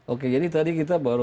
oke jadi tadi kita baru